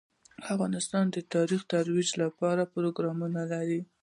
افغانستان د تاریخ د ترویج لپاره پروګرامونه لري.